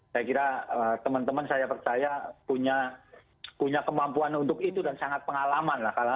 saya kira teman teman saya percaya punya kemampuan untuk itu dan sangat pengalaman lah